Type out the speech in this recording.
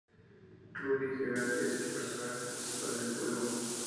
Ruby Heart es el personaje principal del juego.